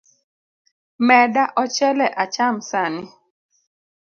Meda ochele acham sani.